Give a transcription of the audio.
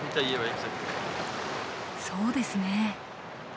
そうですね。